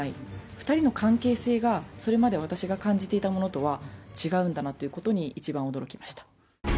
２人の関係性が、それまで私が感じていたものとは違うんだなということに、一番驚きました。